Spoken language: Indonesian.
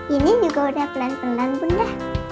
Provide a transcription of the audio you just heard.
ini juga udah pelan pelan bunda